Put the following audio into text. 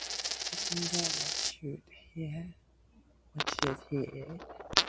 Isn't that what you've heard?